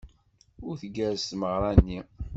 Ay tgerrez tmeɣra-nni!